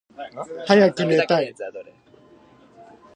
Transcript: はやくねたい。